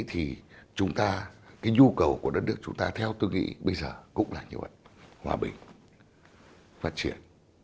thì chúng ta cái nhu cầu của đất nước chúng ta theo tôi nghĩ bây giờ cũng là như vậy hòa bình phát triển